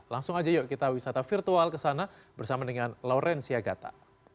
langsung aja yuk kita wisata virtual kesana bersama dengan lauren siagata